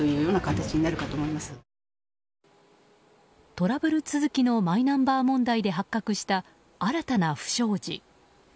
トラブル続きのマイナンバー問題で発覚した新たな不祥事。